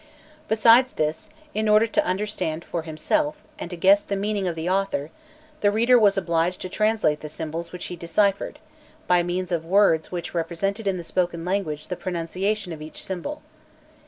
Besides this, in order to understand for himself and to guess the meaning of the author, the reader was obliged to translate the symbols which he deciphered, by means of words which represented in the spoken language the pronunciation of each symbol.